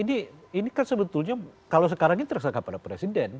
ini kan sebetulnya kalau sekarang ini terkesan kepada presiden